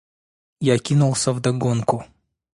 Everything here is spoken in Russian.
Я кинулся вдогонку.